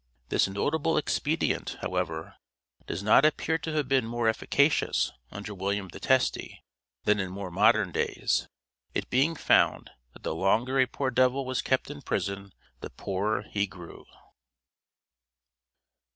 This notable expedient, however, does not appear to have been more efficacious under William the Testy than in more modern days, it being found that the longer a poor devil was kept in prison the poorer he grew.